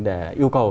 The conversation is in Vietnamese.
để yêu cầu